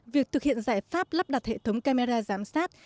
việc thực hiện giải pháp lắp đặt hệ thống camera giám sát